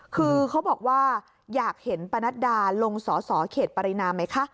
คือเขาบอกว่าอยากเห็นปนัดดาลงสอสอเขตปรินาไหมคะ